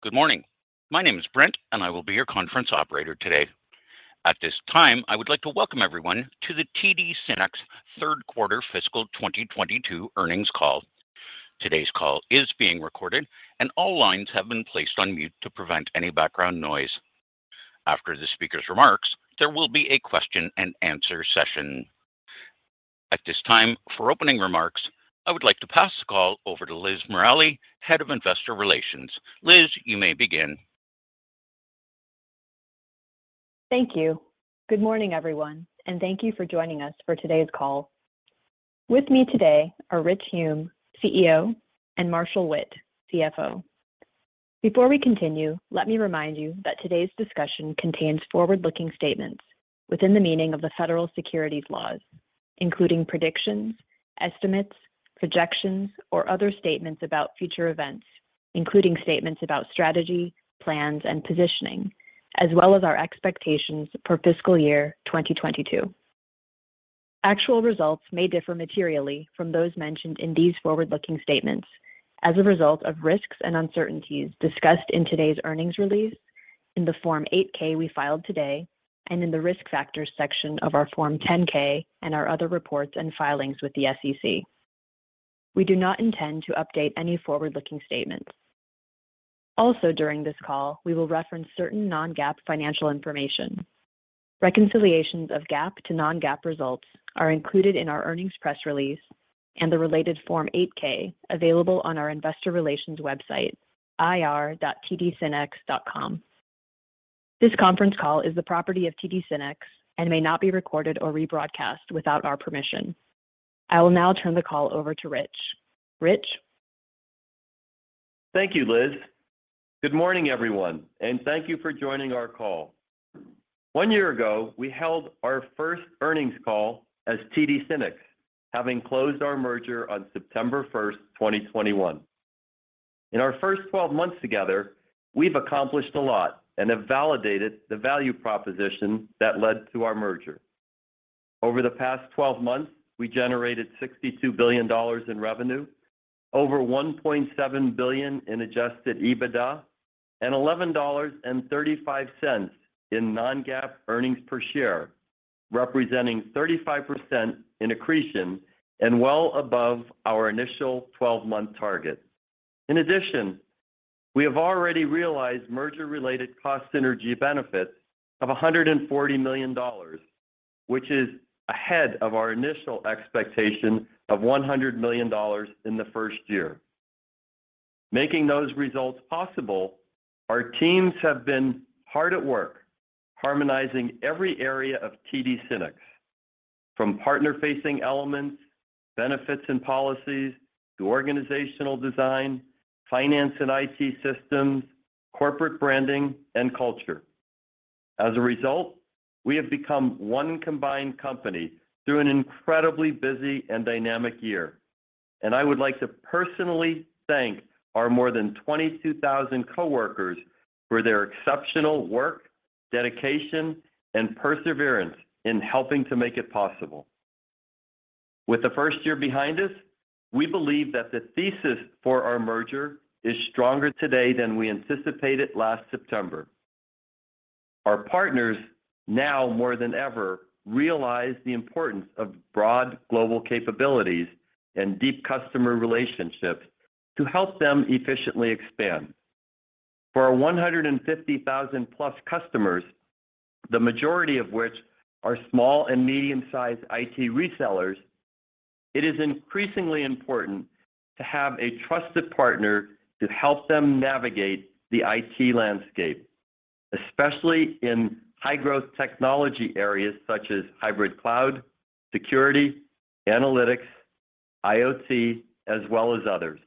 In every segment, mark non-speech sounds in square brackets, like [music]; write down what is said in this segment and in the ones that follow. Good morning. My name is Brent, and I will be your conference operator today. At this time, I would like to welcome everyone to the TD SYNNEX Third Quarter Fiscal 2022 Earnings Call. Today's call is being recorded, and all lines have been placed on mute to prevent any background noise. After the speaker's remarks, there will be a question-and-answer session. At this time, for opening remarks, I would like to pass the call over to Liz Morali, Head of Investor Relations. Liz, you may begin. Thank you. Good morning, everyone, and thank you for joining us for today's call. With me today are Rich Hume, CEO, and Marshall Witt, CFO. Before we continue, let me remind you that today's discussion contains forward-looking statements within the meaning of the federal securities laws, including predictions, estimates, projections, or other statements about future events, including statements about strategy, plans, and positioning, as well as our expectations for fiscal year 2022. Actual results may differ materially from those mentioned in these forward-looking statements as a result of risks and uncertainties discussed in today's earnings release, in the Form 8-K we filed today, and in the Risk Factors section of our Form 10-K and our other reports and filings with the SEC. We do not intend to update any forward-looking statements. Also during this call, we will reference certain non-GAAP financial information. Reconciliations of GAAP to non-GAAP results are included in our earnings press release and the related Form 8-K available on our investor relations website, ir.tdsynnex.com. This conference call is the property of TD SYNNEX and may not be recorded or rebroadcast without our permission. I will now turn the call over to Rich. Rich? Thank you, Liz. Good morning, everyone, and thank you for joining our call. One year ago, we held our first earnings call as TD SYNNEX, having closed our merger on 1 September 2021. In our first 12 months together, we've accomplished a lot and have validated the value proposition that led to our merger. Over the past 12 months, we generated $62 billion in revenue, over $1.7 billion in adjusted EBITDA, and $11.35 in non-GAAP earnings per share, representing 35% in accretion and well above our initial 12-month target. In addition, we have already realized merger-related cost synergy benefits of $140 million, which is ahead of our initial expectation of $100 million in the first year. Making those results possible, our teams have been hard at work harmonizing every area of TD SYNNEX, from partner-facing elements, benefits and policies, to organizational design, finance and IT systems, corporate branding, and culture. As a result, we have become one combined company through an incredibly busy and dynamic year, and I would like to personally thank our more than 22,000 coworkers for their exceptional work, dedication, and perseverance in helping to make it possible. With the first year behind us, we believe that the thesis for our merger is stronger today than we anticipated last September. Our partners now more than ever realize the importance of broad global capabilities and deep customer relationships to help them efficiently expand. For our 150,000-plus customers, the majority of which are small and medium-sized IT resellers, it is increasingly important to have a trusted partner to help them navigate the IT landscape, especially in high-growth technology areas such as hybrid cloud, security, analytics, IoT, as well as others.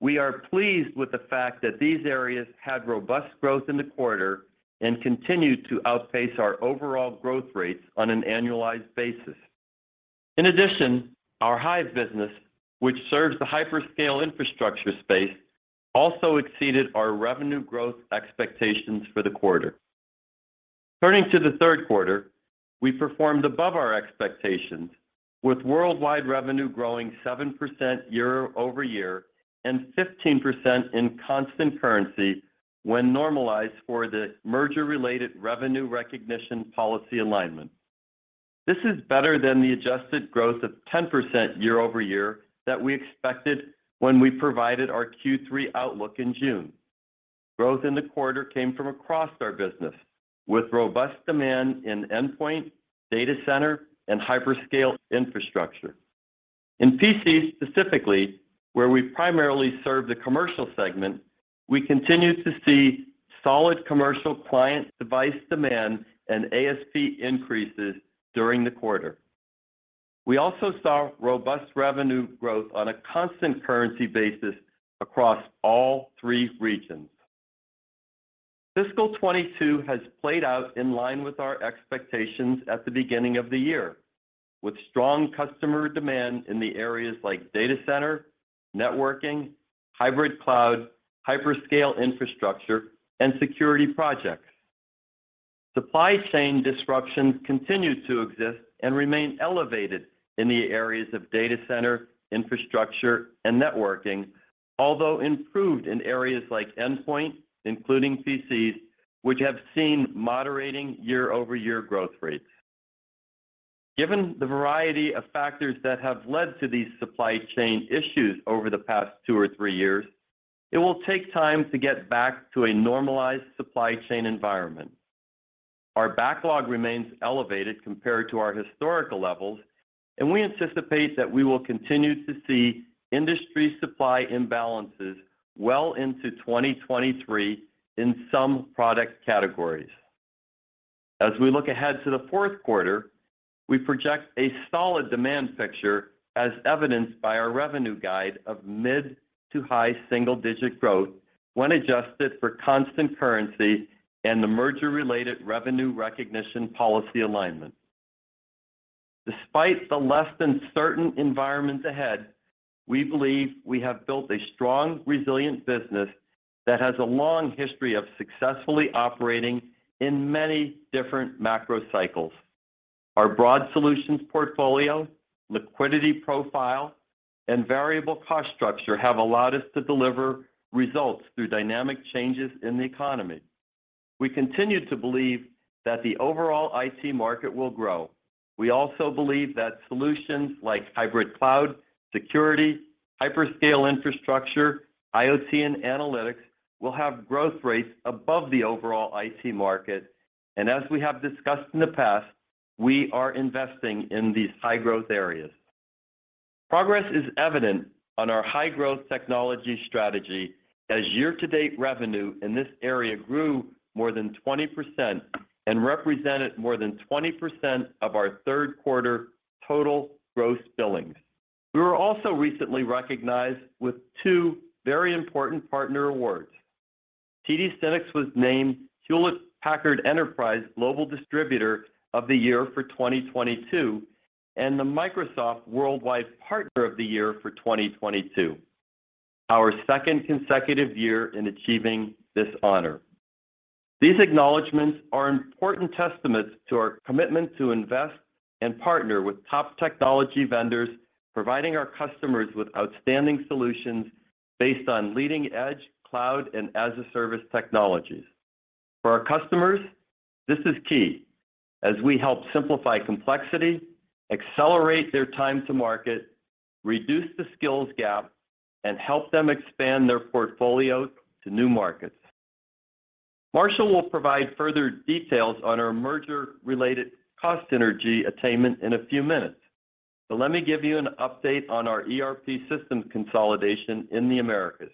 We are pleased with the fact that these areas had robust growth in the quarter and continue to outpace our overall growth rates on an annualized basis. In addition, our Hyve business, which serves the hyperscale infrastructure space, also exceeded our revenue growth expectations for the quarter. Turning to the third quarter, we performed above our expectations with worldwide revenue growing 7% year over year and 15% in constant currency when normalized for the merger-related revenue recognition policy alignment. This is better than the adjusted growth of 10% year-over-year that we expected when we provided our third quarter outlook in June. Growth in the quarter came from across our business with robust demand in endpoint, data center, and hyperscale infrastructure. In PC specifically, where we primarily serve the commercial segment, we continue to see solid commercial client device demand and ASP increases during the quarter. We also saw robust revenue growth on a constant currency basis across all three regions. Fiscal 2022 has played out in line with our expectations at the beginning of the year, with strong customer demand in the areas like data center, networking, hybrid cloud, hyperscale infrastructure, and security projects. Supply chain disruptions continue to exist and remain elevated in the areas of data center, infrastructure, and networking. Although improved in areas like endpoint, including PCs, which have seen moderating year-over-year growth rates. Given the variety of factors that have led to these supply chain issues over the past two or three years, it will take time to get back to a normalized supply chain environment. Our backlog remains elevated compared to our historical levels, and we anticipate that we will continue to see industry supply imbalances well into 2023 in some product categories. As we look ahead to the fourth quarter, we project a solid demand picture as evidenced by our revenue guide of mid-to-high-single-digit growth when adjusted for constant currency and the merger-related revenue recognition policy alignment. Despite the less than certain environment ahead, we believe we have built a strong, resilient business that has a long history of successfully operating in many different macro cycles. Our broad solutions portfolio, liquidity profile, and variable cost structure have allowed us to deliver results through dynamic changes in the economy. We continue to believe that the overall IT market will grow. We also believe that solutions like hybrid cloud, security, hyperscale infrastructure, IoT and analytics will have growth rates above the overall IT market. As we have discussed in the past, we are investing in these high-growth areas. Progress is evident on our high-growth technology strategy as year-to-date revenue in this area grew more than 20% and represented more than 20% of our third quarter total gross billings. We were also recently recognized with two very important partner awards. TD SYNNEX was named Hewlett Packard Enterprise Global Distributor of the Year for 2022, and the Microsoft Worldwide Partner of the Year for 2022, our second consecutive year in achieving this honor. These acknowledgments are important testaments to our commitment to invest and partner with top technology vendors, providing our customers with outstanding solutions based on leading edge cloud and as-a-service technologies. For our customers, this is key as we help simplify complexity, accelerate their time to market, reduce the skills gap, and help them expand their portfolios to new markets. Marshall will provide further details on our merger-related cost synergy attainment in a few minutes. Let me give you an update on our ERP systems consolidation in the Americas.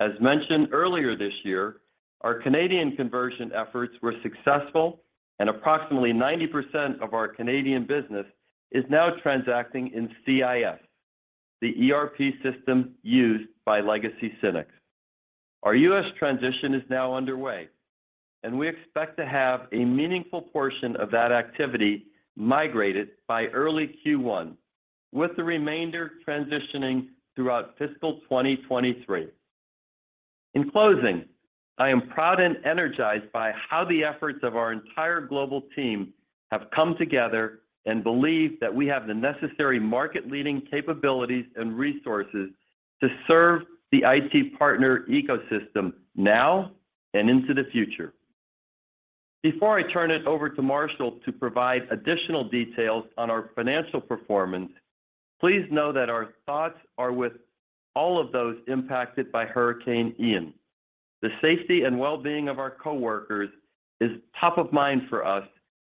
As mentioned earlier this year, our Canadian conversion efforts were successful and approximately 90% of our Canadian business is now transacting in CIS, the ERP system used by Legacy SYNNEX. Our US transition is now underway, and we expect to have a meaningful portion of that activity migrated by early first quarter, with the remainder transitioning throughout fiscal 2023. In closing, I am proud and energized by how the efforts of our entire global team have come together and believe that we have the necessary market leading capabilities and resources to serve the IT partner ecosystem now and into the future. Before I turn it over to Marshall to provide additional details on our financial performance, please know that our thoughts are with all of those impacted by Hurricane Ian. The safety and well-being of our coworkers is top of mind for us,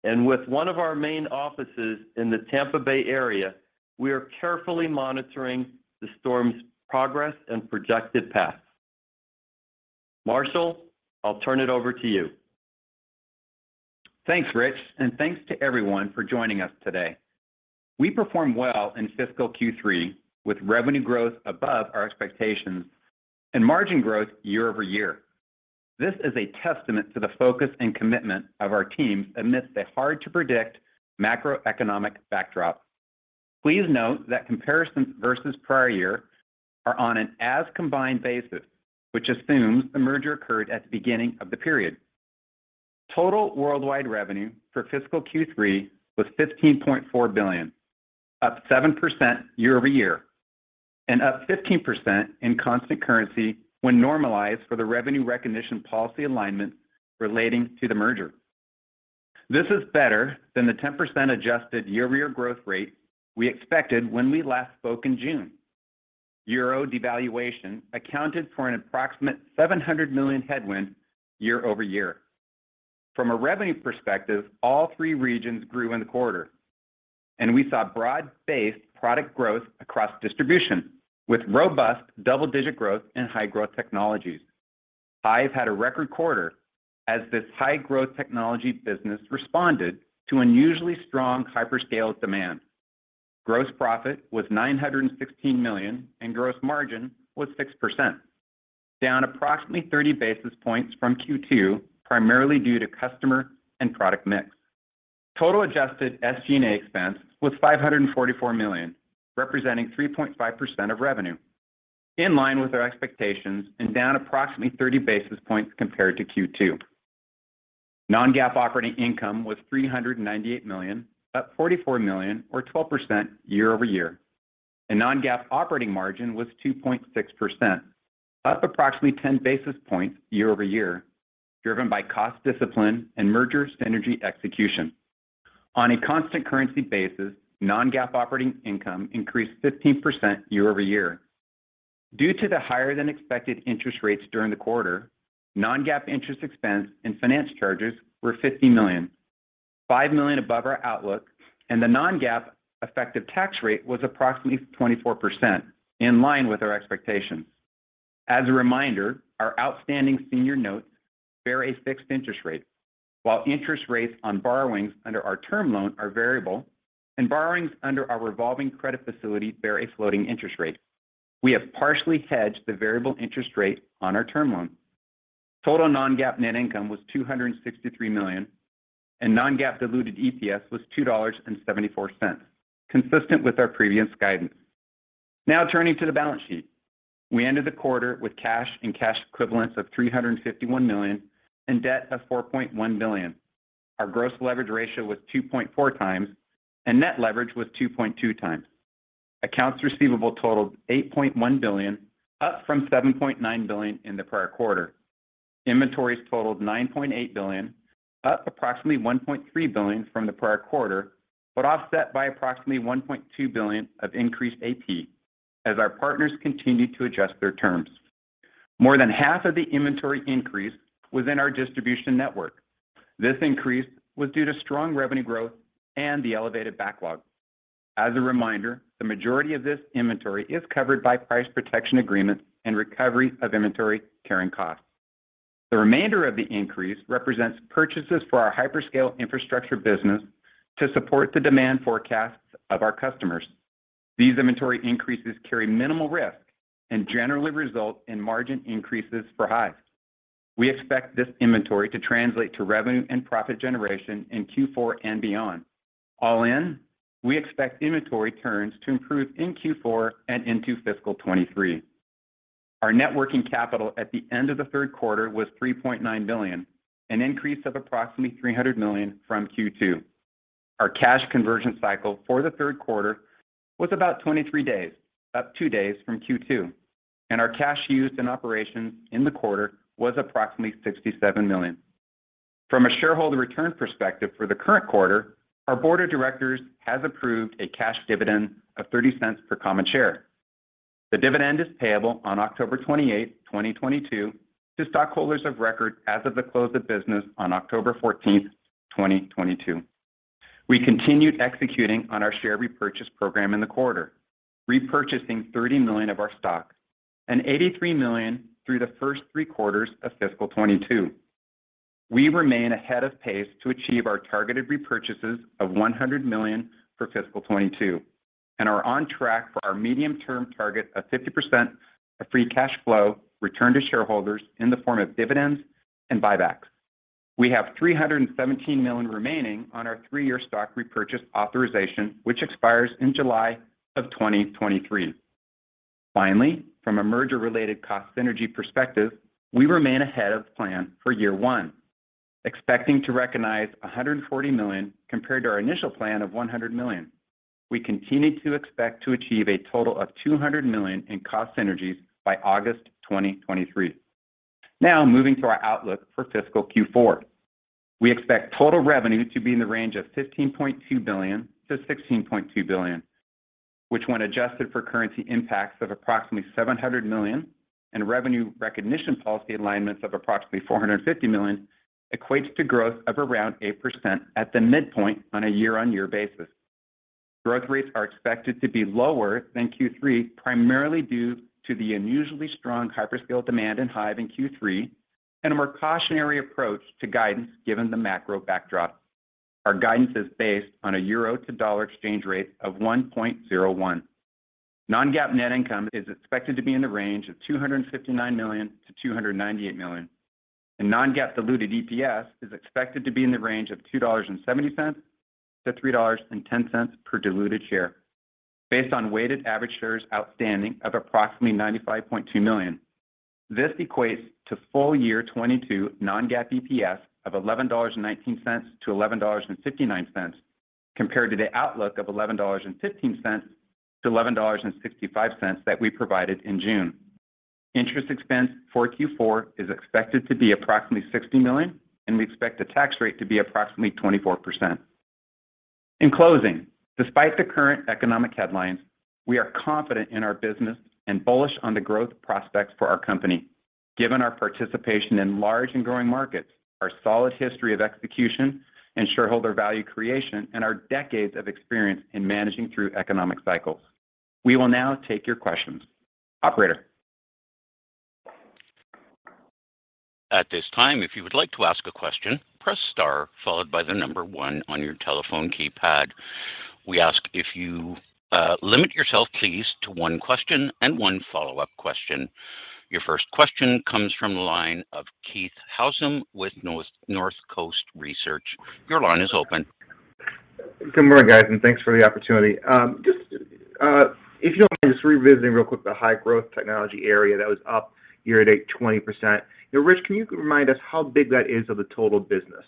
and with one of our main offices in the Tampa Bay area, we are carefully monitoring the storm's progress and projected path. Marshall, I'll turn it over to you. Thanks, Rich, and thanks to everyone for joining us today. We performed well in fiscal third quarter with revenue growth above our expectations and margin growth year-over-year. This is a testament to the focus and commitment of our teams amidst a hard-to-predict macroeconomic backdrop. Please note that comparisons versus prior year are on an as combined basis, which assumes the merger occurred at the beginning of the period. Total worldwide revenue for fiscal third quarter was $15.4 billion, up 7% year-over-year, and up 15% in constant currency when normalized for the revenue recognition policy alignment relating to the merger. This is better than the 10% adjusted year-over-year growth rate we expected when we last spoke in June. Euro devaluation accounted for an approximate $700 million headwind year-over-year. From a revenue perspective, all three regions grew in the quarter, and we saw broad-based product growth across distribution with robust double-digit growth in high-growth technologies. Hyve had a record quarter as this high-growth technology business responded to unusually strong hyperscale demand. Gross profit was $916 million, and gross margin was 6%, down approximately 30-basis points from second quarter, primarily due to customer and product mix. Total adjusted SG&A expense was $544 million, representing 3.5% of revenue, in line with our expectations and down approximately 30-basis points compared to second quarter. Non-GAAP operating income was $398 million, up $44 million or 12% year-over-year, and non-GAAP operating margin was 2.6%, up approximately 10-basis points year-over-year, driven by cost discipline and merger synergy execution. On a constant currency basis, non-GAAP operating income increased 15% year over year. Due to the higher than expected interest rates during the quarter, non-GAAP interest expense and finance charges were $50 million, $5 million above our outlook, and the non-GAAP effective tax rate was approximately 24%, in line with our expectations. As a reminder, our outstanding senior notes bear a fixed interest rate, while interest rates on borrowings under our term loan are variable and borrowings under our revolving credit facility bear a floating interest rate. We have partially hedged the variable interest rate on our term loan. Total non-GAAP net income was $263 million, and non-GAAP diluted EPS was $2.74, consistent with our previous guidance. Now turning to the balance sheet. We ended the quarter with cash and cash equivalents of $351 million and debt of $4.1 billion. Our gross leverage ratio was 2.4x and net leverage was 2.2x. Accounts receivable totaled $8.1 billion, up from $7.9 billion in the prior quarter. Inventories totaled $9.8 billion, up approximately $1.3 billion from the prior quarter, but offset by approximately $1.2 billion of increased AP as our partners continued to adjust their terms. More than 1/2 of the inventory increase was in our distribution network. This increase was due to strong revenue growth and the elevated backlog. As a reminder, the majority of this inventory is covered by price protection agreements and recovery of inventory carrying costs. The remainder of the increase represents purchases for our hyperscale infrastructure business to support the demand forecasts of our customers. These inventory increases carry minimal risk and generally result in margin increases for Hyve. We expect this inventory to translate to revenue and profit generation in fourth quarter and beyond. All in, we expect inventory turns to improve in fourth quarter and into fiscal 2023. Our net working capital at the end of the third quarter was $3.9 billion, an increase of approximately $300 million from second quarter. Our cash conversion cycle for the third quarter was about 23 days, up two days from second quarter, and our cash used in operations in the quarter was approximately $67 million. From a shareholder return perspective for the current quarter, our board of directors has approved a cash dividend of $0.30 per common share. The dividend is payable on 28 October 2022 to stockholders of record as of the close of business on 14 October 2022. We continued executing on our share repurchase program in the quarter, repurchasing $30 million of our stock and $83 million through the first three quarters of fiscal 2022. We remain ahead of pace to achieve our targeted repurchases of $100 million for fiscal 2022 and are on track for our medium-term target of 50% of free cash flow return to shareholders in the form of dividends and buybacks. We have $317 million remaining on our three-year stock repurchase authorization, which expires in July 2023. Finally, from a merger related cost synergy perspective, we remain ahead of plan for year one, expecting to recognize $140 million compared to our initial plan of $100 million. We continue to expect to achieve a total of $200 million in cost synergies by August 2023. Now moving to our outlook for fiscal fourth quarter. We expect total revenue to be in the range of $15.2 to 16.2 billion, which when adjusted for currency impacts of approximately $700 million and revenue recognition policy alignments of approximately $450 million, equates to growth of around 8% at the midpoint on a year-on-year basis. Growth rates are expected to be lower than third quarter, primarily due to the unusually strong hyperscale demand in Hyve in third quarter and a more cautionary approach to guidance given the macro backdrop. Our guidance is based on a euro to dollar exchange rate of 1.01%. Non-GAAP net income is expected to be in the range of $259 to 298 million. Non-GAAP diluted EPS is expected to be in the range of $2.70 to 3.10 per diluted share based on weighted average shares outstanding of approximately 95.2 million. This equates to full year 2022 non-GAAP EPS of $11.19 to 11.59, compared to the outlook of $11.15 to 11.65 that we provided in June. Interest expense for fourth quarter is expected to be approximately $60 million, and we expect the tax rate to be approximately 24%. In closing, despite the current economic headlines, we are confident in our business and bullish on the growth prospects for our company, given our participation in large and growing markets, our solid history of execution and shareholder value creation, and our decades of experience in managing through economic cycles. We will now take your questions. Operator? At this time, if you would like to ask a question, press star followed by the number one on your telephone keypad. We ask if you limit yourself please to one question and one follow-up question. Your first question comes from the line of Keith Housum with Northcoast Research. Your line is open. Good morning, guys, and thanks for the opportunity. If you don't mind just revisiting real quick the high-growth technology area that was up year-to-date 20%. Now, Rich, can you remind us how big that is of the total business?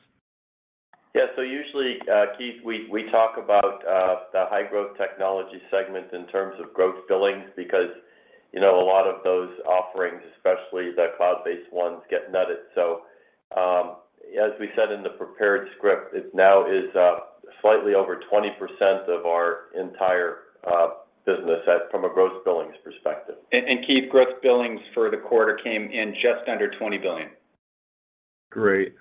Yeah. Usually, Keith, we talk about the high-growth technology segment in terms of gross billings because, you know, a lot of those offerings, especially the cloud-based ones, get netted. As we said in the prepared script, it now is slightly over 20% of our entire business from a gross billings perspective. Keith, gross billings for the quarter came in just under $20 billion. Great.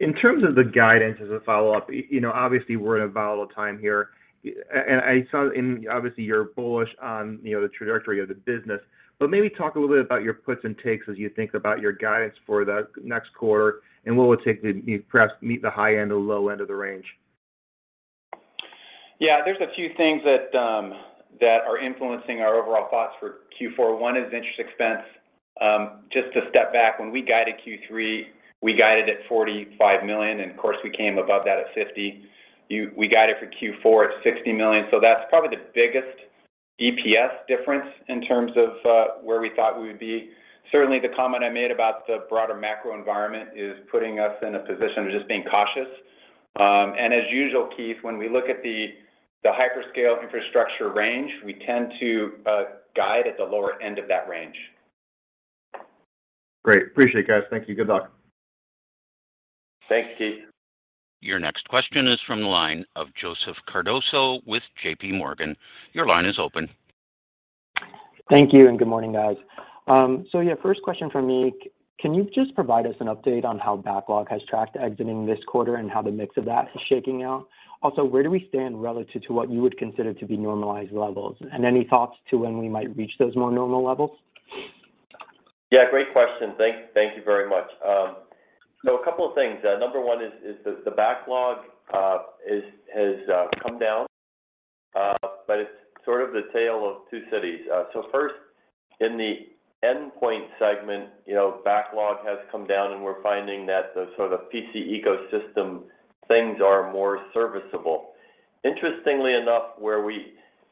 In terms of the guidance as a follow-up, you know, obviously, we're in a volatile time here. And I saw obviously you're bullish on, you know, the trajectory of the business, but maybe talk a little bit about your puts and takes as you think about your guidance for the next quarter and what will it take to perhaps meet the high end or low end of the range? Yeah, there's a few things that are influencing our overall thoughts for fourth quarter. One is interest expense. Just to step back, when we guided third quarter, we guided at $45 million, and of course, we came above that at $50 million. We got it for fourth quarter at $60 million. That's probably the biggest EPS difference in terms of where we thought we would be. Certainly, the comment I made about the broader macro environment is putting us in a position of just being cautious. As usual, Keith, when we look at the hyperscale infrastructure range, we tend to guide at the lower end of that range. Great. Appreciate it, guys. Thank you. Good luck. Thanks, Keith. Your next question is from the line of Joseph Cardoso with JPMorgan. Your line is open. Thank you, and good morning, guys. Yeah, first question from me, can you just provide us an update on how backlog has tracked exiting this quarter and how the mix of that is shaking out? Also, where do we stand relative to what you would consider to be normalized levels? Any thoughts to when we might reach those more normal levels? Yeah, great question. Thank you very much. So a couple of things. Number one is the backlog has come down, but it's sort of the tale of two cities. So first in the endpoint segment, you know, backlog has come down, and we're finding that the sort of PC ecosystem things are more serviceable. Interestingly enough,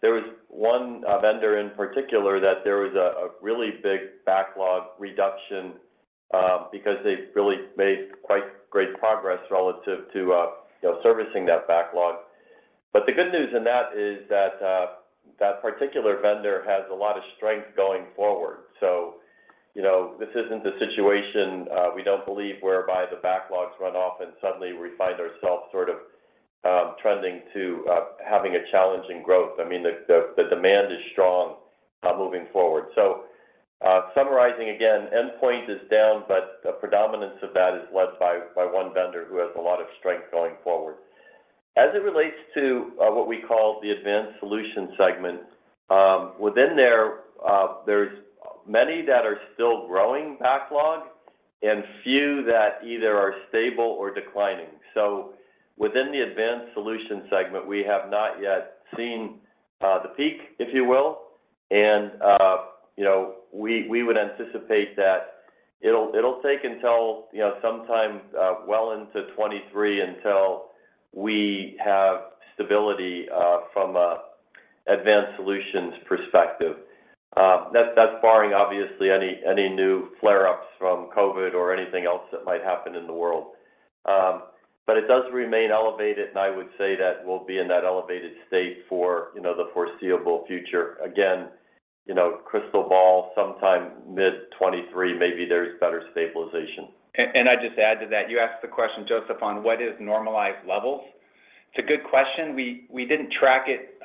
there was one vendor in particular that there was a really big backlog reduction, because they've really made quite great progress relative to you know, servicing that backlog. But the good news in that is that that particular vendor has a lot of strength going forward. So you know, this isn't the situation we don't believe, whereby the backlogs run off and suddenly we find ourselves sort of trending to having a challenging growth. I mean, the demand is strong, moving forward. Summarizing again, endpoint is down, but the predominance of that is led by one vendor who has a lot of strength going forward. As it relates to what we call the Advanced Solutions segment, within there's many that are still growing backlog and few that either are stable or declining. Within the Advanced Solutions segment, we have not yet seen the peak, if you will. You know, we would anticipate that it'll take until, you know, sometime well into 2023 until we have stability from an Advanced Solutions perspective. That's barring obviously any new flare-ups from COVID or anything else that might happen in the world. It does remain elevated, and I would say that we'll be in that elevated state for, you know, the foreseeable future. Again, you know, crystal ball, sometime mid 2023, maybe there's better stabilization. I'd just add to that. You asked the question, Joseph, on what is normalized levels. It's a good question. We didn't track it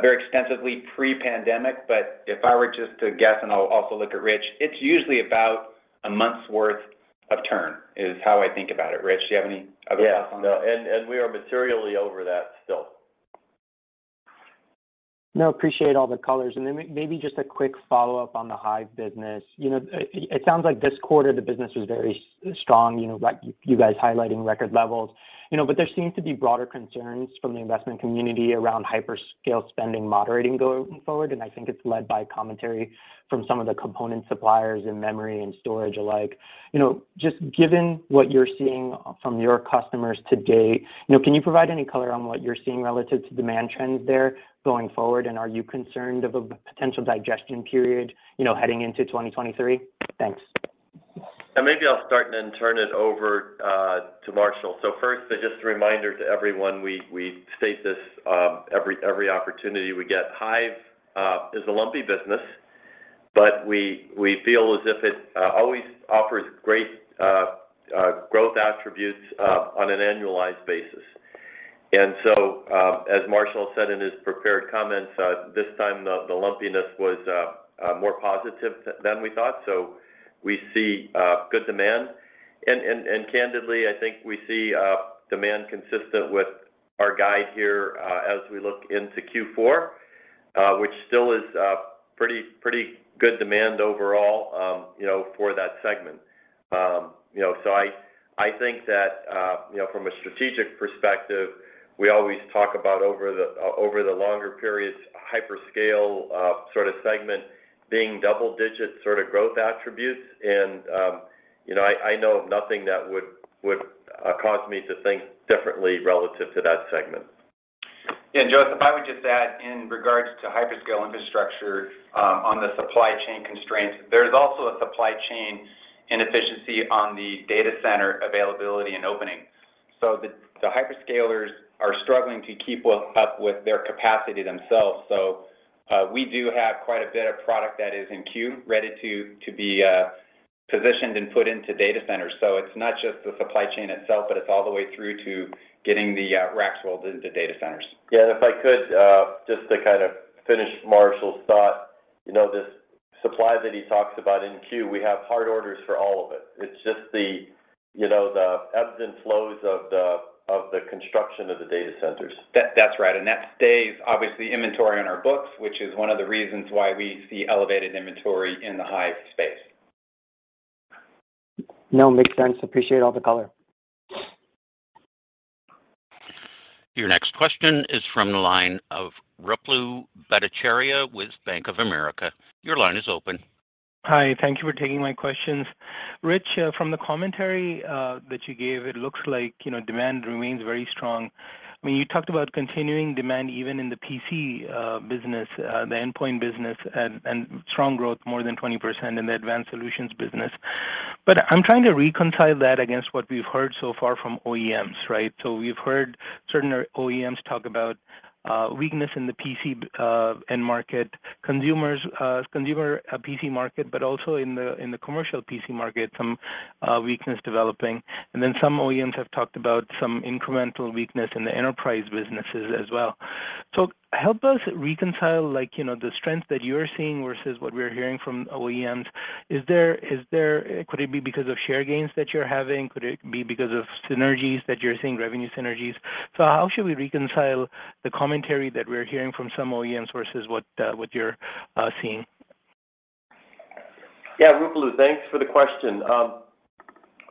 very extensively pre-pandemic, but if I were just to guess, and I'll also look at Rich, it's usually about a month's worth of turn is how I think about it. Rich, do you have any other thoughts on that? Yeah. No. We are materially over that still. No, appreciate all the colors. Maybe just a quick follow-up on the Hyve business. You know, it sounds like this quarter the business was very strong, you know, like you guys highlighting record levels. You know, but there seems to be broader concerns from the investment community around hyperscale spending moderating going forward, and I think it's led by commentary from some of the component suppliers in memory and storage alike. You know, just given what you're seeing from your customers to date, you know, can you provide any color on what you're seeing relative to demand trends there going forward? Are you concerned of a potential digestion period, you know, heading into 2023? Thanks. Maybe I'll start and then turn it over to Marshall. First, just a reminder to everyone, we state this every opportunity we get. Hyve is a lumpy business, but we feel as if it always offers great growth attributes on an annualized basis. As Marshall said in his prepared comments, this time the lumpiness was more positive than we thought. We see good demand. Candidly, I think we see demand consistent with our guide here as we look into fourth quarter. Which still is pretty good demand overall, you know, for that segment. You know, so I think that, you know, from a strategic perspective, we always talk about over the longer periods, hyperscale sort of segment being double digits sort of growth attributes. You know, I know of nothing that would cause me to think differently relative to that segment. Yeah. Joseph, I would just add in regards to hyperscale infrastructure, on the supply chain constraints, there's also a supply chain inefficiency on the data center availability and opening. The hyperscalers are struggling to keep up with their capacity themselves. We do have quite a bit of product that is in queue ready to be positioned and put into data centers. It's not just the supply chain itself, but it's all the way through to getting the racks rolled into data centers. Yeah. If I could, just to kind of finish Marshall's thought, you know, this supply that he talks about in quarter, we have hard orders for all of it. It's just the, you know, the ebbs and flows of the construction of the data centers. That's right. That stays obviously inventory on our books, which is one of the reasons why we see elevated inventory in the Hyve space. No, makes sense. Appreciate all the color. Your next question is from the line of Ruplu Bhattacharya with Bank of America. Your line is open. Hi. Thank you for taking my questions. Rich, from the commentary that you gave, it looks like, you know, demand remains very strong. I mean, you talked about continuing demand even in the PC business, the endpoint business and strong growth more than 20% in the Advanced Solutions business. I'm trying to reconcile that against what we've heard so far from OEMs, right? We've heard certain OEMs talk about weakness in the PC end market, consumer PC market, but also in the commercial PC market, some weakness developing. Some OEMs have talked about some incremental weakness in the enterprise businesses as well. Help us reconcile like, you know, the strength that you're seeing versus what we're hearing from OEMs. Could it be because of share gains that you're having? Could it be because of synergies that you're seeing, revenue synergies? How should we reconcile the commentary that we're hearing from some OEMs versus what you're seeing? Yeah. Ruplu, thanks for the question.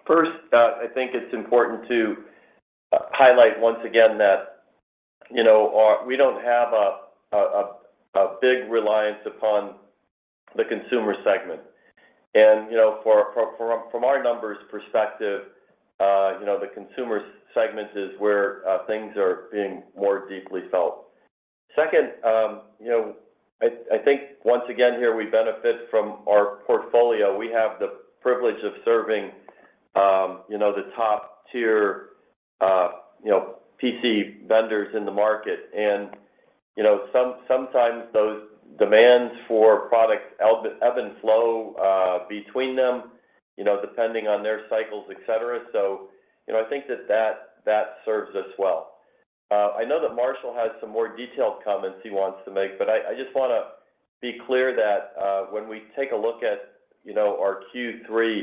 First, I think it's important to highlight once again that, you know, we don't have a big reliance upon the consumer segment. You know, from our numbers perspective, you know, the consumer segment is where things are being more deeply felt. Second, you know, I think once again here, we benefit from our portfolio. We have the privilege of serving, you know, the top-tier, you know, PC vendors in the market. You know, sometimes those demands for products ebb and flow, between them, you know, depending on their cycles, et cetera. You know, I think that serves us well. I know that Marshall has some more detailed comments he wants to make, but I just want to be clear that, when we take a look at, you know, our third quarter,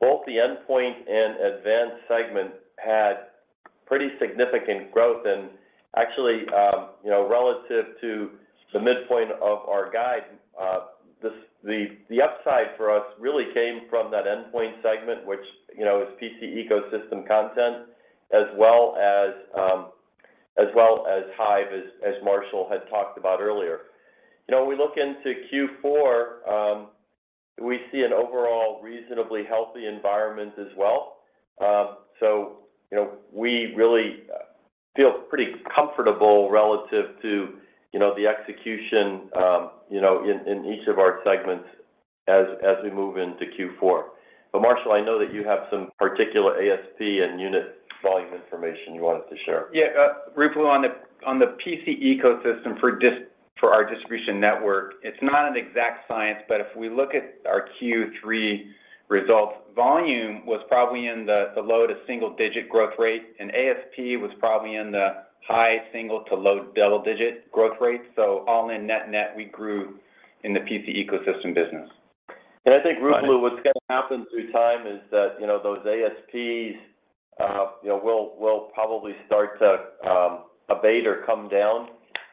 both the endpoint and advanced segment had pretty significant growth. Actually, you know, relative to the midpoint of our guide, the upside for us really came from that endpoint segment, which, you know, is PC ecosystem content, as well as Hyve, as Marshall had talked about earlier. You know, when we look into fourth quarter, we see an overall reasonably healthy environment as well. We really feel pretty comfortable relative to, you know, the execution, you know, in each of our segments as we move into fourth quarter. Marshall, I know that you have some particular ASP and unit volume information you wanted to share. Yeah, Ruplu, on the PC ecosystem for our distribution network, it's not an exact science, but if we look at our third quarter results, volume was probably in the low- to single-digit growth rate, and ASP was probably in the high single- to low double-digit growth rate. All in net-net, we grew in the PC ecosystem business. I think... [crosstalk] Ruplu, what's gonna happen through time is that, you know, those ASPs, you know, will probably start to abate or come down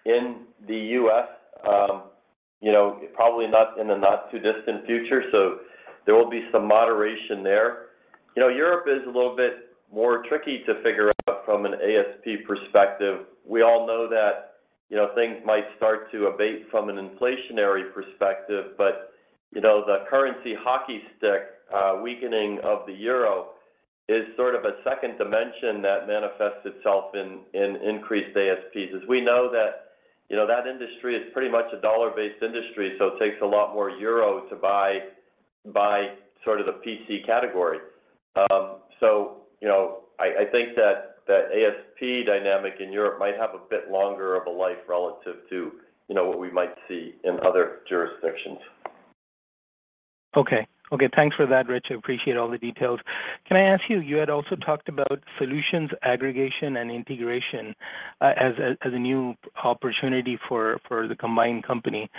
in the US, you know, probably not in the not too distant future. There will be some moderation there. You know, Europe is a little bit more tricky to figure out from an ASP perspective. We all know that, you know, things might start to abate from an inflationary perspective, but, you know, the currency hockey stick, weakening of the euro is sort of a second dimension that manifests itself in increased ASPs. As we know that, you know, that industry is pretty much a dollar-based industry, so it takes a lot more euro to buy sort of the PC category. You know, I think that ASP dynamic in Europe might have a bit longer of a life relative to, you know, what we might see in other jurisdictions. Okay. Thanks for that, Rich. I appreciate all the details. Can I ask you had also talked about solutions aggregation and integration as a new opportunity for the combined company.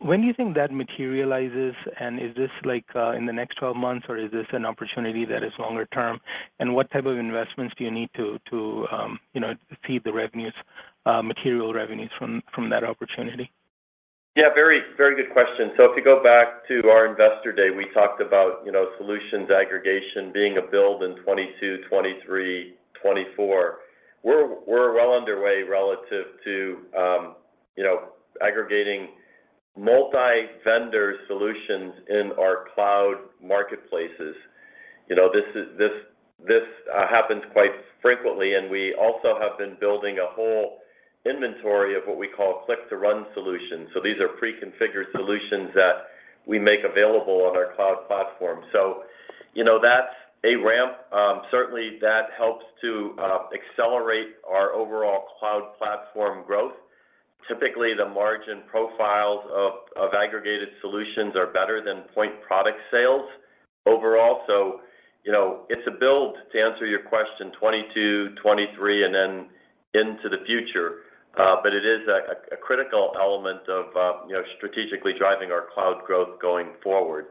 When do you think that materializes? Is this like in the next 12 months, or is this an opportunity that is longer term? What type of investments do you need to you know see the revenues material revenues from that opportunity? Yeah, very, very good question. If you go back to our investor day, we talked about, you know, solutions aggregation being a build in 2022, 2023, 2024. We're well underway relative to, you know, aggregating multi-vendor solutions in our cloud marketplaces. You know, this happens quite frequently, and we also have been building a whole inventory of what we call click to run solutions. These are pre-configured solutions that we make available on our cloud platform. You know, that's a ramp. Certainly, that helps to accelerate our overall cloud platform growth. Typically, the margin profiles of aggregated solutions are better than point product sales overall. You know, it's a build, to answer your question, 2022, 2023, and then into the future. It is a critical element of, you know, strategically driving our cloud growth going forward.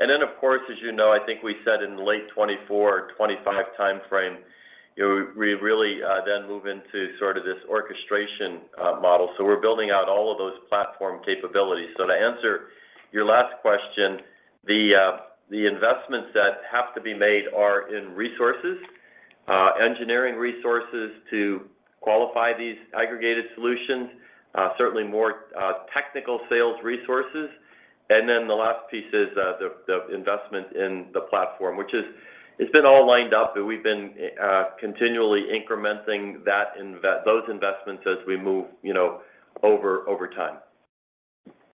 Of course, as you know, I think we said in late 2024 or 2025 timeframe, you know, we really move into sort of this orchestration model. We're building out all of those platform capabilities. To answer your last question, the investments that have to be made are in resources, engineering resources to qualify these aggregated solutions, certainly more technical sales resources. The last piece is the investment in the platform, which is. It has been all lined up, but we've been continually incrementing those investments as we move, you know, over time.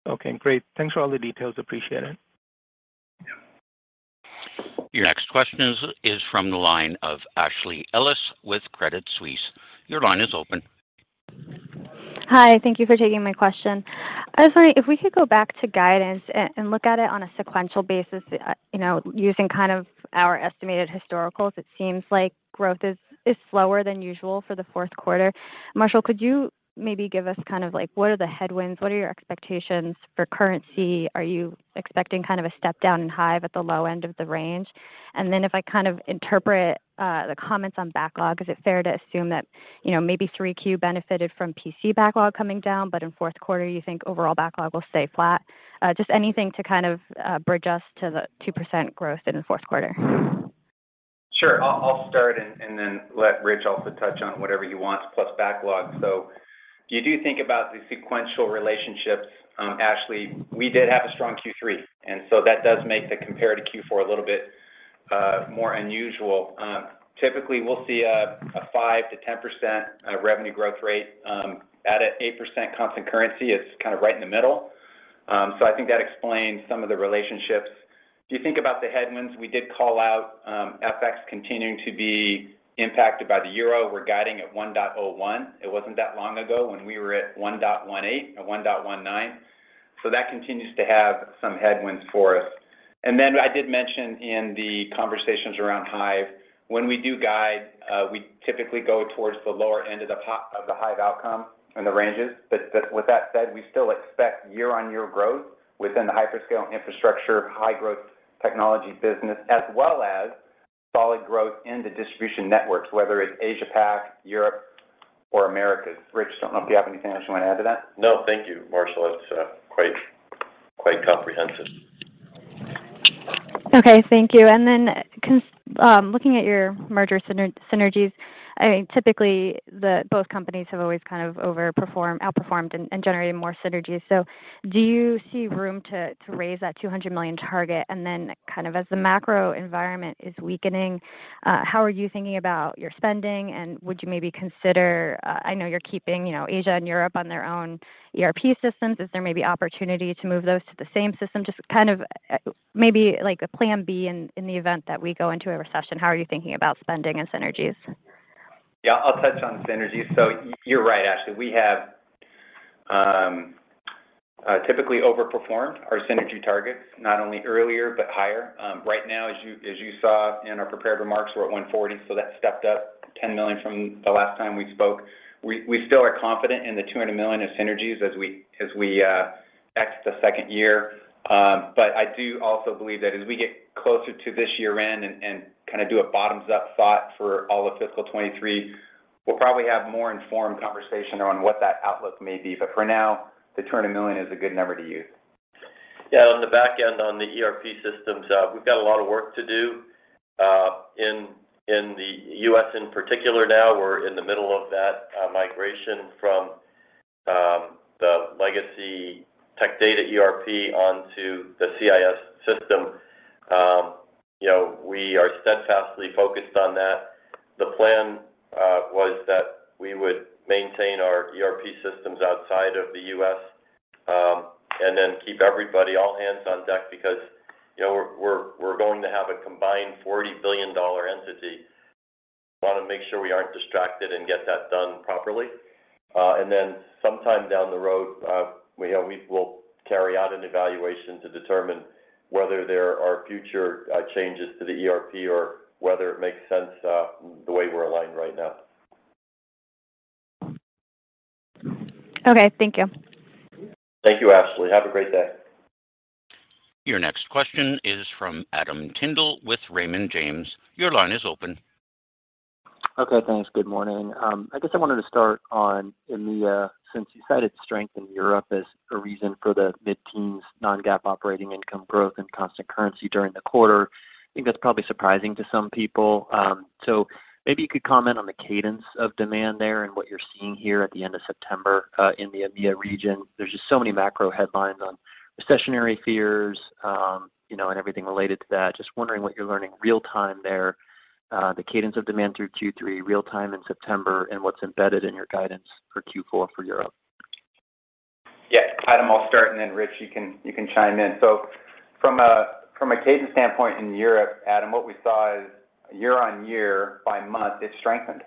Okay, great. Thanks for all the details. Appreciate it. Yeah. Your next question is from the line of Ashley Ellis with Credit Suisse. Your line is open. Hi. Thank you for taking my question. I was wondering if we could go back to guidance and look at it on a sequential basis, you know, using kind of our estimated historicals. It seems like growth is slower than usual for the fourth quarter. Marshall, could you maybe give us kind of like what are the headwinds, what are your expectations for currency? Are you expecting kind of a step down in Hyve at the low end of the range? And then if I kind of interpret the comments on backlog, is it fair to assume that, you know, maybe third quarter benefited from PC backlog coming down, but in fourth quarter you think overall backlog will stay flat? Just anything to kind of bridge us to the 2% growth in the fourth quarter. Sure. I'll start and then let Rich also touch on whatever you want, plus backlog. You do think about the sequential relationships, Ashley. We did have a strong third quarter, and that does make the compare to fourth quarter a little bit more unusual. Typically, we'll see a 5% to 10% revenue growth rate. At an 8% constant currency is kind of right in the middle. I think that explains some of the relationships. If you think about the headwinds, we did call out FX continuing to be impacted by the euro. We're guiding at 1.01%. It wasn't that long ago when we were at 1.18% or 1.19%. That continues to have some headwinds for us. I did mention in the conversations around Hyve, when we do guide, we typically go towards the lower end of the Hyve outcome and the ranges. But with that said, we still expect year-on-year growth within the hyperscale infrastructure, high growth technology business, as well as solid growth in the distribution networks, whether it's Asia Pac, Europe, or Americas. Rich, don't know if you have anything else you want to add to that. No, thank you, Marshall. That's quite comprehensive. Okay, thank you. Looking at your merger synergies, I mean, typically both companies have always kind of overperformed, outperformed and generated more synergies. Do you see room to raise that $200 million target? Kind of as the macro environment is weakening, how are you thinking about your spending? Would you maybe consider, I know you're keeping, you know, Asia and Europe on their own ERP systems. Is there maybe opportunity to move those to the same system? Kind of, maybe like a plan B in the event that we go into a recession, how are you thinking about spending and synergies? Yeah, I'll touch on synergies. You're right, Ashley. We have typically overperformed our synergy targets, not only earlier but higher. Right now, as you saw in our prepared remarks, we're at $140 million, so that stepped up $10 million from the last time we spoke. We still are confident in the $200 million of synergies as we exit the second year. But I do also believe that as we get closer to this year-end and kinda do a bottoms-up thought for all of fiscal 2023, we'll probably have more informed conversation on what that outlook may be. For now, the $200 million is a good number to use. Yeah. On the back end on the ERP systems, we've got a lot of work to do in the US in particular now. We're in the middle of that, migration from the legacy Tech Data ERP onto the CIS system. You know, we are steadfastly focused on that. The plan was that we would maintain our ERP systems outside of the US, and then keep everybody all hands on deck because, you know, we're going to have a combined $40 billion entity. Want to make sure we aren't distracted and get that done properly. Sometime down the road, you know, we will carry out an evaluation to determine whether there are future changes to the ERP or whether it makes sense the way we're aligned right now. Okay. Thank you. Thank you, Ashley. Have a great day. Your next question is from Adam Tindle with Raymond James. Your line is open. Okay, thanks. Good morning. I guess I wanted to start on EMEIA since you cited strength in Europe as a reason for the mid-teens non-GAAP operating income growth and constant currency during the quarter. I think that's probably surprising to some people. So maybe you could comment on the cadence of demand there and what you're seeing here at the end of September in the EMEIA region. There's just so many macro headlines on recessionary fears, you know, and everything related to that. Just wondering what you're learning real-time there, the cadence of demand through third quarter, real-time in September, and what's embedded in your guidance for fourth quarter for Europe. Yeah. Adam, I'll start, and then Rich, you can chime in. From a cadence standpoint in Europe, Adam, what we saw is year-on-year by month, it strengthened.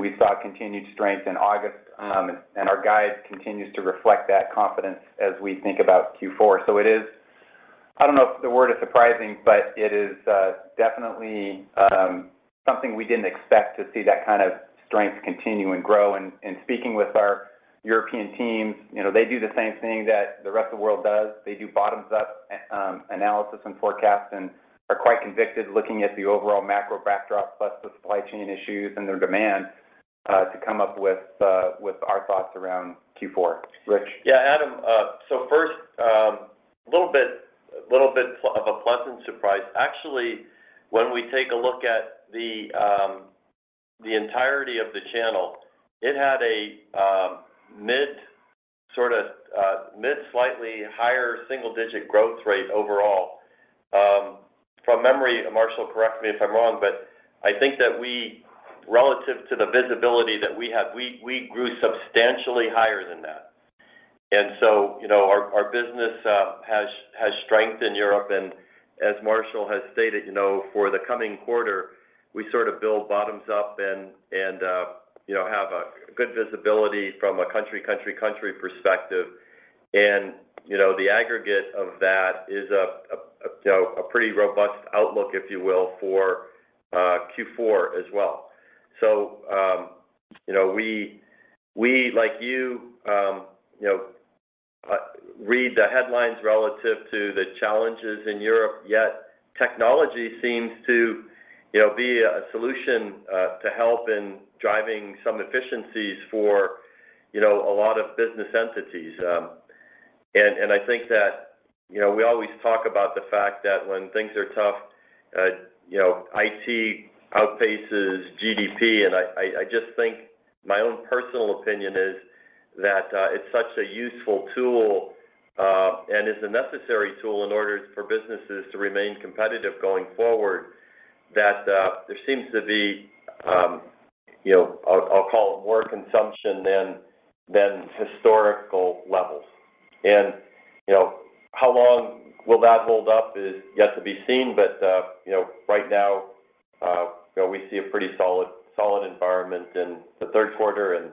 We saw continued strength in August, and our guide continues to reflect that confidence as we think about fourth quarter. It is. I don't know if the word is surprising, but it is definitely something we didn't expect to see that kind of strength continue and grow. Speaking with our European teams, you know, they do the same thing that the rest of the world does. They do bottoms-up analysis and forecasts and are quite convicted looking at the overall macro backdrop plus the supply chain issues and their demand to come up with our thoughts around fourth quarter. Rich? Yeah, Adam. So first, a little bit of a pleasant surprise. Actually, when we take a look at the entirety of the channel, it had a mid to slightly higher single-digit growth rate overall. From memory, Marshall correct me if I'm wrong, but I think that we, relative to the visibility that we had, grew substantially higher than that. You know, our business has strength in Europe. As Marshall has stated, you know, for the coming quarter, we sort of build bottom-up and have a good visibility from a country perspective. You know, the aggregate of that is a pretty robust outlook, if you will, for fourth quarter as well. You know, we, like you know, read the headlines relative to the challenges in Europe, yet technology seems to you know, be a solution to help in driving some efficiencies for you know, a lot of business entities. I think that you know, we always talk about the fact that when things are tough you know, IT outpaces GDP. I just think my own personal opinion is that it's such a useful tool and is a necessary tool in order for businesses to remain competitive going forward that there seems to be you know, I'll call it more consumption than historical levels. You know, how long will that hold up is yet to be seen. You know, right now, you know, we see a pretty solid environment in the third quarter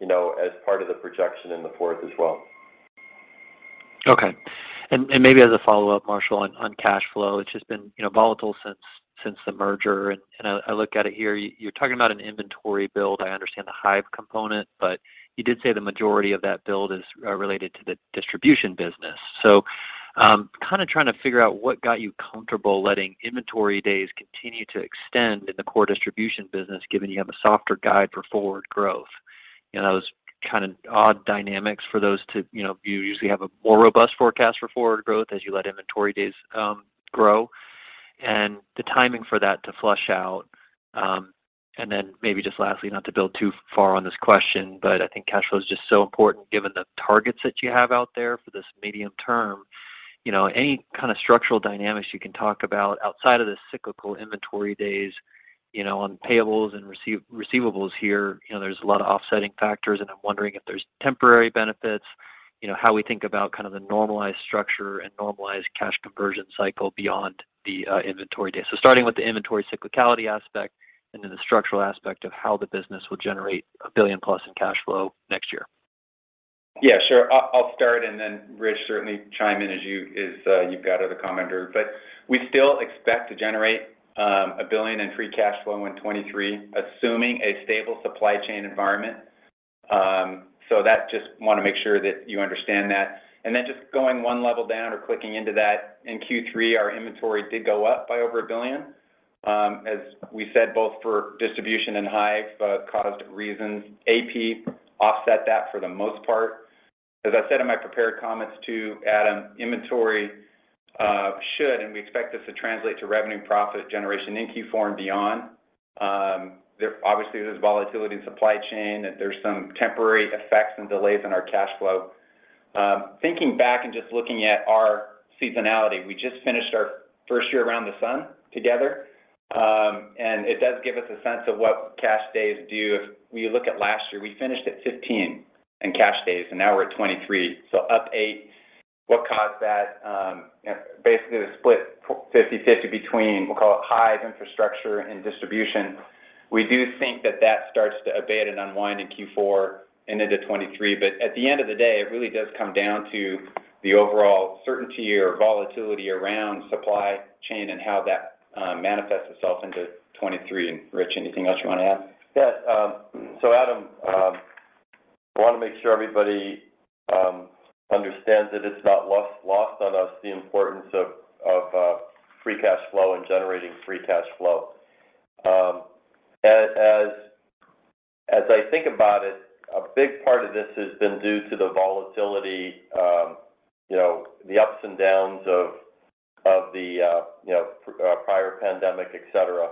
and, you know, as part of the projection in the fourth as well. Okay. Maybe as a follow-up, Marshall, on cash flow, it's just been, you know, volatile since the merger. I look at it here, you're talking about an inventory build. I understand the Hyve component, but you did say the majority of that build is related to the distribution business. Kind of trying to figure out what got you comfortable letting inventory days continue to extend in the core distribution business given you have a softer guide for forward growth. You know, those kind of odd dynamics. You know, you usually have a more robust forecast for forward growth as you let inventory days grow and the timing for that to flush out. Maybe just lastly, not to build too far on this question, but I think cash flow is just so important given the targets that you have out there for this medium term. You know, any kind of structural dynamics you can talk about outside of the cyclical inventory days, you know, on payables and receivables here. You know, there's a lot of offsetting factors, and I'm wondering if there's temporary benefits. You know, how we think about kind of the normalized structure and normalized cash conversion cycle beyond the inventory day. Starting with the inventory cyclicality aspect and then the structural aspect of how the business will generate $1 billion plus in cash flow next year. Yeah, sure. I'll start, and then Rich can certainly chime in as you've got other comments or. We still expect to generate $1 billion in free cash flow in 2023, assuming a stable supply chain environment. Just want to make sure that you understand that. Just going one level down or clicking into that, in third quarter, our inventory did go up by over $1 billion. As we said, both for distribution and Hyve, those reasons. AP offset that for the most part. As I said in my prepared comments too, Adam, inventory should, and we expect this to translate to revenue and profit generation in fourth quarter and beyond. There's obviously volatility in supply chain. There's some temporary effects and delays in our cash flow. Thinking back and just looking at our seasonality, we just finished our first year around the sun together. It does give us a sense of what cash days do. If you look at last year, we finished at 15% in cash days, and now we're at 23%, so up 8%. What caused that? Basically the split 50/50 between, we'll call it Hyve infrastructure and distribution. We do think that that starts to abate and unwind in fourth quarter into 2023. But at the end of the day, it really does come down to the overall certainty or volatility around supply chain and how that manifests itself into 2023. Rich, anything else you want to add? Yeah. So Adam, I want to make sure everybody understands that it's not lost on us the importance of free cash flow and generating free cash flow. As I think about it, a big part of this has been due to the volatility, you know, the ups and downs of the, you know, prior pandemic, et cetera.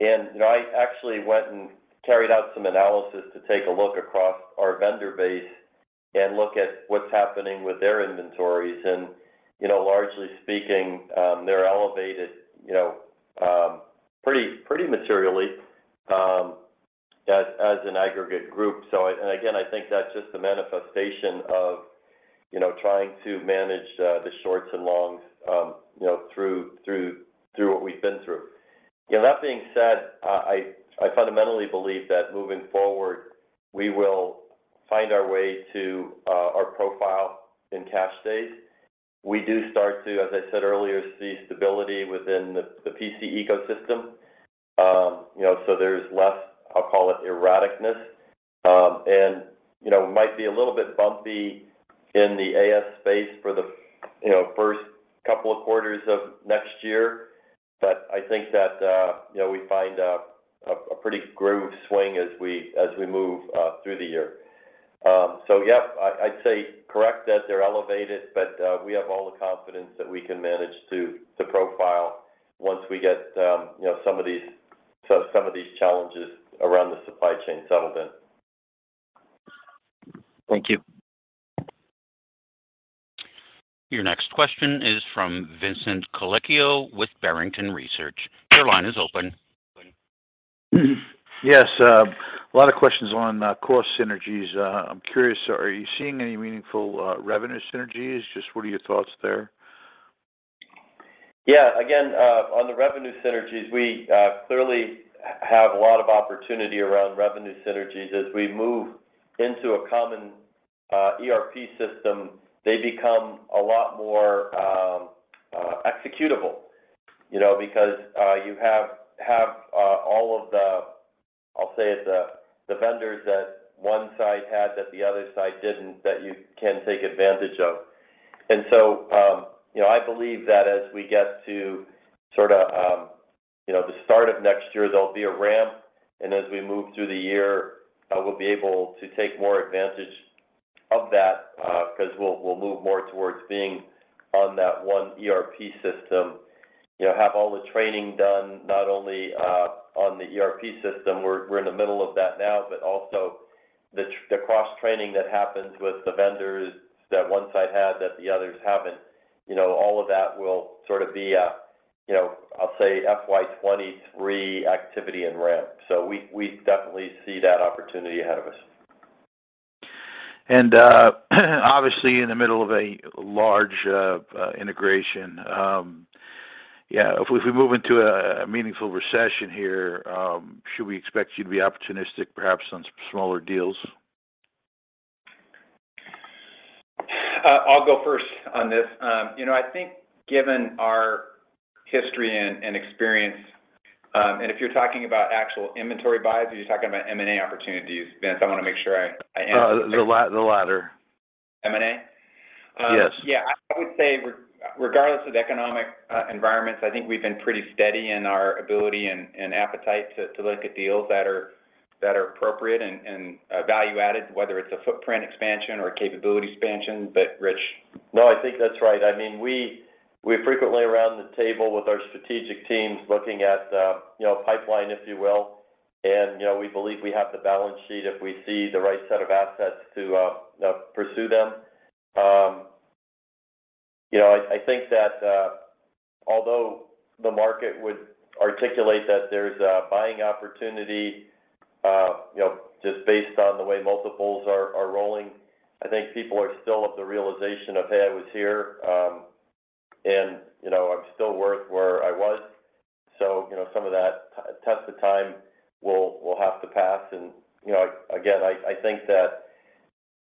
You know, I actually went and carried out some analysis to take a look across our vendor base and look at what's happening with their inventories. You know, largely speaking, they're elevated, you know, pretty materially, as an aggregate group. Again, I think that's just the manifestation of, you know, trying to manage the shorts and longs, you know, through what we've been through. You know, that being said, I fundamentally believe that moving forward, we will find our way to our profile in cash stance. We do start to, as I said earlier, see stability within the PC ecosystem. You know, so there's less, I'll call it erraticness. You know, it might be a little bit bumpy in the AS space for the, you know, first couple of quarters of next year. I think that, you know, we find a pretty good groove as we move through the year. Yeah. I'd say correct that they're elevated, but we have all the confidence that we can manage to profile once we get, you know, some of these, sort of some of these challenges around the supply chain settlement. Thank you. Your next question is from Vincent Colicchio with Barrington Research. Your line is open. Yes. A lot of questions on cost synergies. I'm curious, are you seeing any meaningful revenue synergies? Just what are your thoughts there? Yeah. Again, on the revenue synergies, we clearly have a lot of opportunity around revenue synergies. As we move into a common ERP system, they become a lot more executable, you know. Because you have all of the vendors that one side had that the other side didn't, that you can take advantage of. I'll say it's the vendors. You know, I believe that as we get to sort of the start of next year, there'll be a ramp. As we move through the year, we'll be able to take more advantage of that, cause we'll move more towards being on that one ERP system. You know, have all the training done, not only on the ERP system, we're in the middle of that now, but also the cross-training that happens with the vendors that one side had that the others haven't. You know, all of that will sort of be a, you know, I'll say fiscal year 2023 activity and ramp. We definitely see that opportunity ahead of us. Obviously in the middle of a large integration. Yeah, if we move into a meaningful recession here, should we expect you to be opportunistic perhaps on smaller deals? I'll go first on this. You know, I think given our history and experience, and if you're talking about actual inventory buys or you're just talking about M&A opportunities, Vince? I want to make sure I answer... [crosstalk] The latter. M&A? Yes. Yeah. I would say regardless of economic environments, I think we've been pretty steady in our ability and appetite to look at deals that are appropriate and value added, whether it's a footprint expansion or a capability expansion. Rich? No, I think that's right. I mean, we're frequently around the table with our strategic teams looking at you know, pipeline, if you will. You know, we believe we have the balance sheet if we see the right set of assets to pursue them. I think that although the market would articulate that there's a buying opportunity, you know, just based on the way multiples are rolling, I think people are still of the realization of, "Hey, I was here, and you know, I'm still worth where I was." You know, some of that test of time will have to pass. You know, again, I think that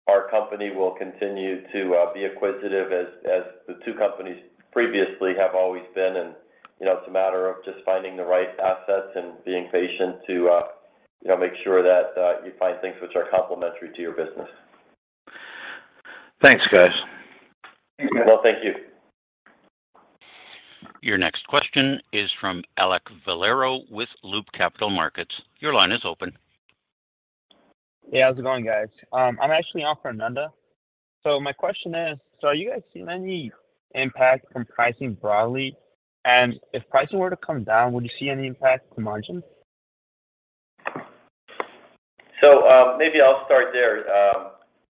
our company will continue to be acquisitive as the two companies previously have always been. You know, it's a matter of just finding the right assets and being patient to, you know, make sure that you find things which are complementary to your business. Thanks, guys. Thanks. Well, thank you. Your next question is from Alek Valero with Loop Capital Markets. Your line is open. Hey, how's it going, guys? I'm actually on for Nanda. My question is, so are you guys seeing any impact from pricing broadly? If pricing were to come down, would you see any impact to margins? Maybe I'll start there.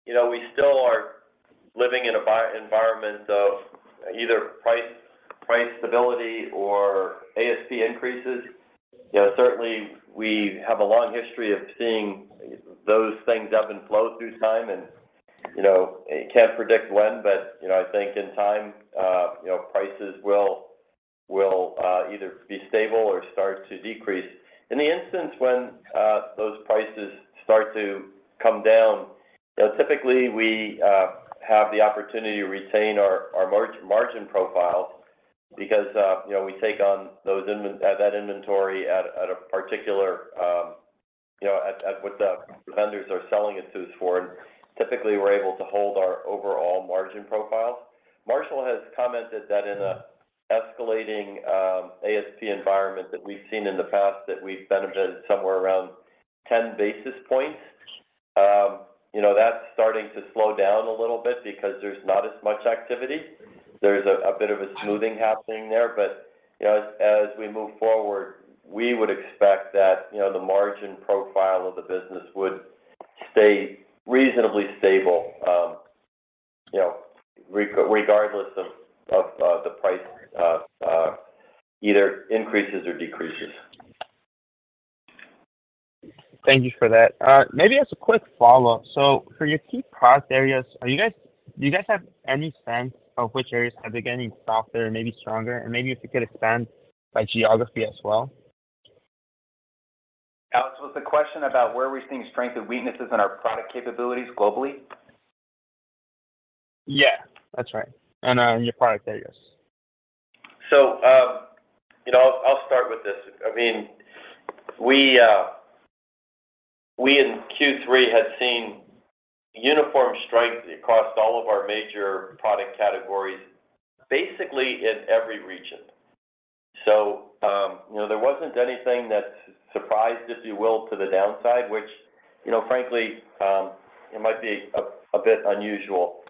You know, we still are living in environment of either price stability or ASP increases. You know, certainly we have a long history of seeing those things ebb and flow through time and, you know, can't predict when, but, you know, I think in time, you know, prices will either be stable or start to decrease. In the instance when those prices start to come down, you know, typically we have the opportunity to retain our margin profile because, you know, we take on that inventory at a particular, you know, at what the vendors are selling it to us for. Typically we're able to hold our overall margin profile. Marshall has commented that in a escalating ASP environment that we've seen in the past, that we've benefited somewhere around 10-basis points. You know, that's starting to slow down a little bit because there's not as much activity. There's a bit of a smoothing happening there. You know, as we move forward, we would expect that, you know, the margin profile of the business would stay reasonably stable, you know, regardless of the price either increases or decreases. Thank you for that. Maybe as a quick follow-up. For your key product areas, do you guys have any sense of which areas are becoming softer and maybe stronger? Maybe if you could expand by geography as well. Alek, was the question about where we're seeing strength and weaknesses in our product capabilities globally? Yeah, that's right. Your product areas. You know, I'll start with this. I mean, we in third quarter had seen uniform strength across all of our major product categories, basically in every region. You know, there wasn't anything that surprised, if you will, to the downside, which, you know, frankly, it might be a bit unusual.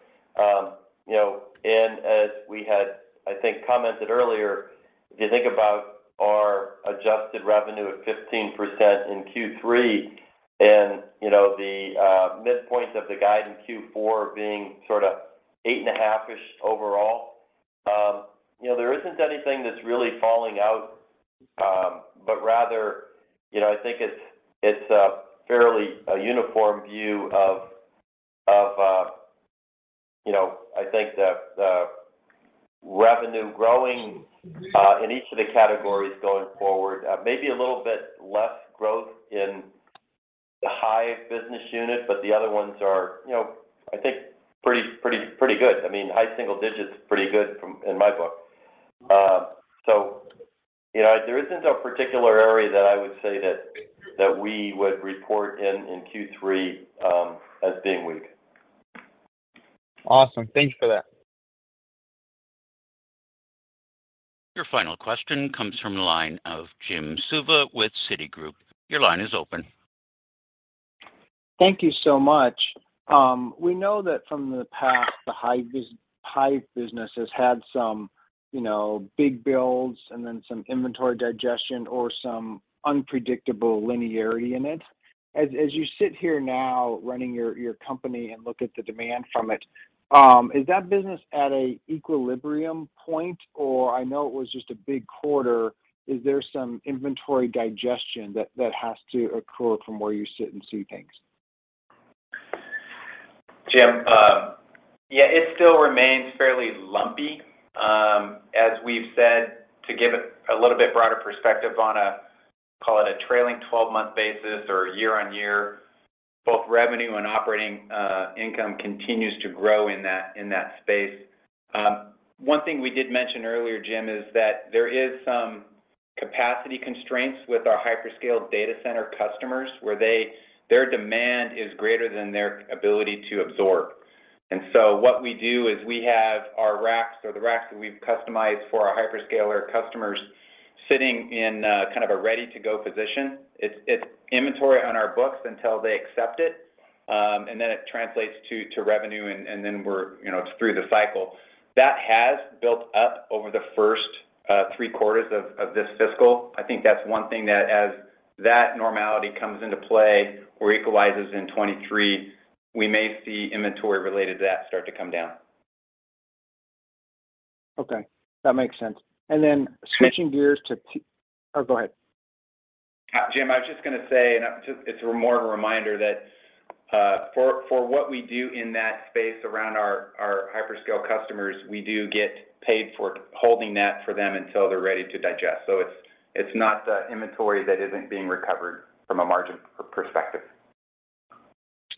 You know, as we had, I think, commented earlier, if you think about our adjusted revenue at 15% in third quarter and, you know, the midpoints of the guide in fourth quarter being sort of 8.5%-ish overall, you know, there isn't anything that's really falling out. Rather, you know, I think it's a fairly uniform view of, you know, I think the revenue growing in each of the categories going forward. Maybe a little bit less growth in the Hyve business unit, but the other ones are, you know, I think pretty good. I mean, high single-digits is pretty good in my book. You know, there isn't a particular area that I would say that we would report in third quarter as being weak. Awesome. Thank you for that. Your final question comes from the line of Jim Suva with Citigroup. Your line is open. Thank you so much. We know that from the past, the Hyve business has had some, you know, big builds and then some inventory digestion or some unpredictable linearity in it. As you sit here now running your company and look at the demand from it, is that business at an equilibrium point? Or I know it was just a big quarter, is there some inventory digestion that has to occur from where you sit and see things? Jim, yeah, it still remains fairly lumpy. As we've said, to give it a little bit broader perspective on a, call it a trailing twelve-month basis or year on year, both revenue and operating income continues to grow in that space. One thing we did mention earlier, Jim, is that there is some capacity constraints with our hyperscale data center customers where their demand is greater than their ability to absorb. What we do is we have our racks or the racks that we've customized for our hyperscaler customers sitting in kind of a ready-to-go position. It's inventory on our books until they accept it, and then it translates to revenue, and then we're, you know, it's through the cycle. That has built up over the first three quarters of this fiscal. I think that's one thing that as that normality comes into play or equalizes in 2023, we may see inventory related to that start to come down. Okay. That makes sense. And then... [crosstalk] [inaudible] Oh, go ahead. Jim, I was just gonna say it's more of a reminder that for what we do in that space around our hyperscale customers, we do get paid for holding that for them until they're ready to digest. It's not the inventory that isn't being recovered from a margin perspective.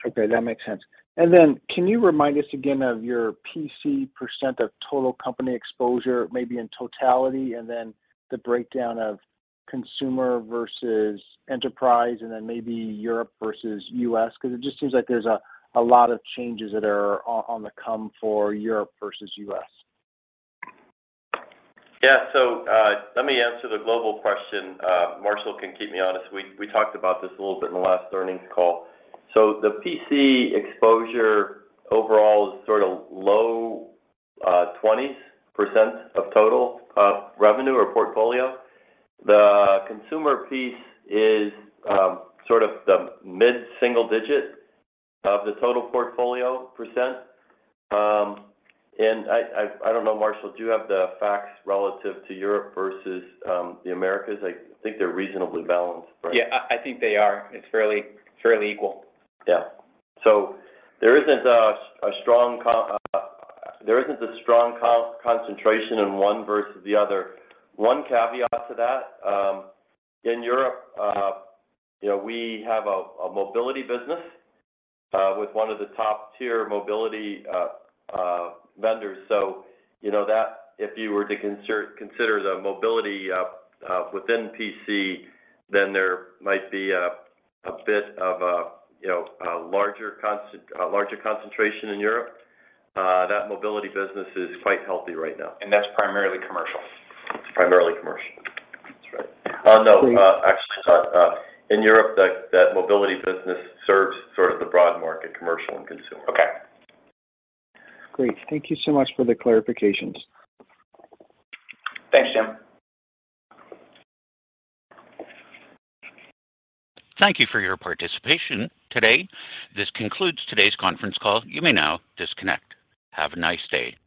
Okay. That makes sense. Can you remind us again of your PC percent of total company exposure, maybe in totality, and then the breakdown of consumer versus enterprise, and then maybe Europe versus US? Because it just seems like there's a lot of changes that are on the come for Europe versus US. Yeah. Let me answer the global question. Marshall can keep me honest. We talked about this a little bit in the last earnings call. The PC exposure overall is sort of low 20% of total revenue or portfolio. The consumer piece is sort of the mid-single digit of the total portfolio percent. I don't know, Marshall, do you have the facts relative to Europe versus the Americas? I think they're reasonably balanced, right? Yeah. I think they are. It's fairly equal. Yeah. So, there isn't a strong concentration in one versus the other. One caveat to that, in Europe, you know, we have a mobility business with one of the top tier mobility vendors. You know that if you were to consider the mobility within PC, then there might be a bit of a, you know, a larger concentration in Europe. That mobility business is quite healthy right now. That's primarily commercial. It's primarily commercial. That's right. Please... [crosstalk] Actually, in Europe, that mobility business serves sort of the broad market, commercial and consumer. Okay. Great. Thank you so much for the clarifications. Thanks, Jim. Thank you for your participation today. This concludes today's conference call. You may now disconnect. Have a nice day.